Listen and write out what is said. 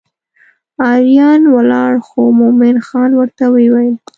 اریان ولاړ خو مومن خان ورته وویل.